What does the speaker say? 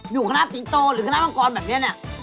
อยู่คณะสิงโตหรือคณะมังกรแบบนี้เนี่ย